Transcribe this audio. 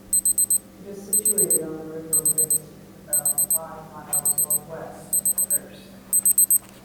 It is situated on the River Wiske, about five miles north-west of Thirsk.